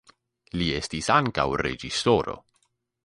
Li estis ankaŭ reĝisoro.